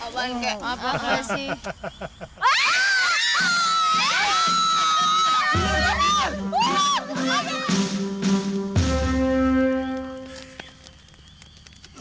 apaan kek apaan sih